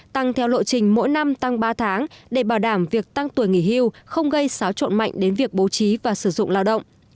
tăng theo lộ trình mỗi năm tăng ba tháng để bảo đảm việc tăng tuổi nghỉ hưu không gây xáo trộn mạnh đến việc bố trí và sử dụng lao động